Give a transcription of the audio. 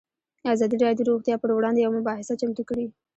ازادي راډیو د روغتیا پر وړاندې یوه مباحثه چمتو کړې.